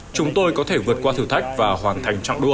chúng tôi có thể vượt qua thử thách và hoàn thành trạng đua